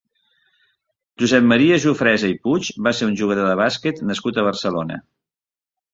Josep Maria Jofresa i Puig va ser un jugador de bàsquet nascut a Barcelona.